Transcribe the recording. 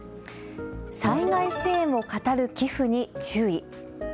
災害支援をかたる寄付に注意。